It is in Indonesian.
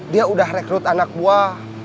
dia udah rekrut anak buah